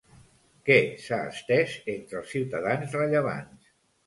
Què s'ha estès entre els ciutadans rellevants?